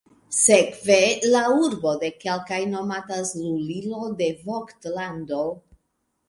Sekve la urbo de kelkaj nomatas lulilo de Vogt-lando.